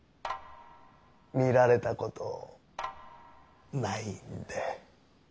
見られたことないんで。